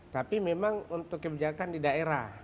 tapi memang untuk kebijakan di daerah